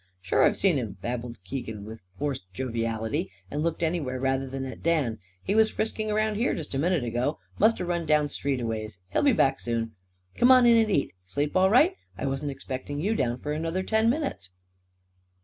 "Sure, I've seen him!" babbled Keegan with forced joviality, and looking anywhere rather than at Dan. "He was frisking round here just a minute ago. Must 'a' run down street, a ways. He'll be back soon. Come on in and eat! Sleep all right? I wasn't expecting you down for another ten minutes."